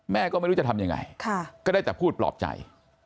ก็ไม่รู้จะทำยังไงก็ได้แต่พูดปลอบใจ